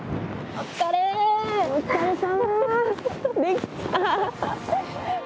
お疲れさま！